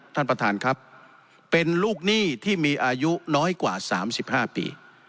ท่านประธานครับเป็นลูกหนี้ที่มีอายุน้อยกว่า๓๕ปี